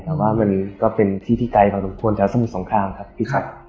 แต่ว่ามันก็เป็นที่ที่ไกลบางทุกคนแถวสมุสของข้ามครับพี่แชท